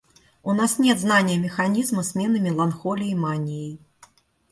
У нас нет знания механизма смены меланхолии манией.